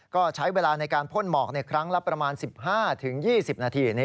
ก็ใช้เวลาในการพ่นหมอกครั้งละประมาณ๑๕๒๐นาที